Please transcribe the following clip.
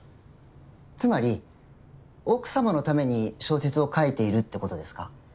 つまり奥様のために小説を書いているって事ですか？